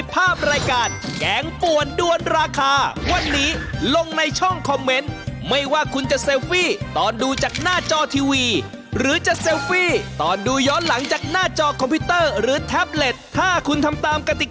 เพราะมันบอกแล้วว่าห้ามใช้โทรศัพท์